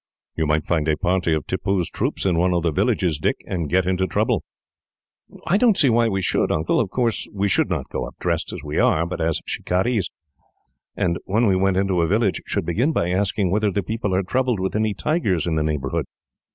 "You might find a party of Tippoo's troops in one of the villages, Dick, and get into trouble." "I don't see why we should, Uncle. Of course, we should not go up dressed as we are, but as shikarees, and when we went into a village, should begin by asking whether the people are troubled with any tigers in the neighbourhood.